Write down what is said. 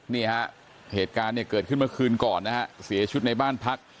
นี่ฮะเหตุการณ์เนี่ยเกิดขึ้นเมื่อคืนก่อนนะฮะเสียชีวิตในบ้านพัก